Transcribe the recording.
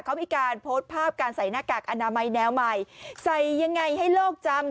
เขามีการโพสต์ภาพการใส่หน้ากากอนามัยแนวใหม่ใส่ยังไงให้โลกจำ